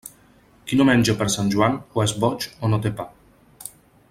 Qui no menja per Sant Joan, o és boig o no té pa.